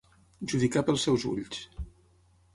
Judicar pels seus ulls.